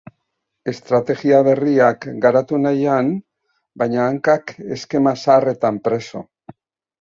Estrategia berriak garatu nahian, baina hankak eskema zaharretan preso.